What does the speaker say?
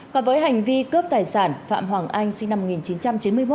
còn với hành vi cướp tài sản phạm hoàng anh sinh năm một nghìn chín trăm chín mươi một